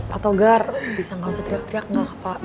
pak togar bisa gak usah teriak teriak gak pak